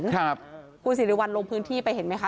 ครับคุณสิริวัลลงพื้นที่ไปเห็นไหมคะ